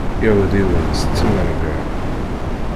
Iɛudiwen tetten ṛṛbiɛ.